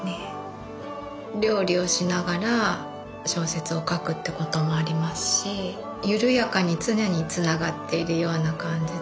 料理をしながら小説を書くってこともありますし緩やかに常につながっているような感じで。